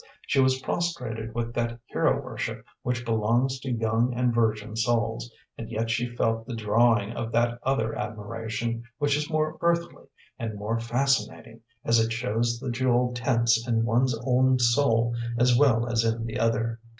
She was prostrated with that hero worship which belongs to young and virgin souls, and yet she felt the drawing of that other admiration which is more earthly and more fascinating, as it shows the jewel tints in one's own soul as well as in the other.